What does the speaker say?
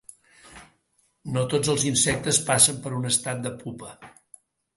No tots els insectes passen per un estat de pupa.